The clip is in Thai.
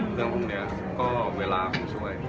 เรื่องพวกนี้ก็เวลาผมช่วย